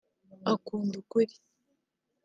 Akunda ukuri